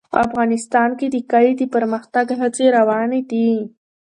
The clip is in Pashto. افغانستان کې د کلي د پرمختګ هڅې روانې دي.